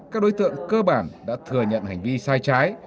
các đối tượng cơ bản đã thừa nhận hành vi sai trái